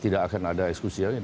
tidak akan ada ekskusi aja